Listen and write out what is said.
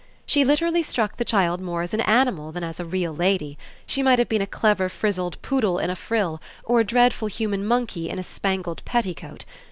She literally struck the child more as an animal than as a "real" lady; she might have been a clever frizzled poodle in a frill or a dreadful human monkey in a spangled petticoat.